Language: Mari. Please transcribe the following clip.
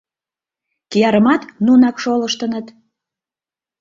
Киярымат нунак шолыштыныт!